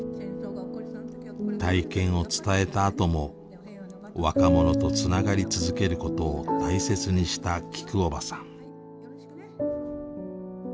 体験を伝えたあとも若者とつながり続けることを大切にしたきくおばさん。